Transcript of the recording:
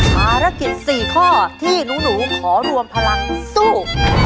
ภารกิจ๔ข้อที่หนูขอรวมพลังสู้